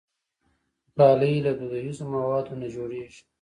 غالۍ له دودیزو موادو نه جوړېږي.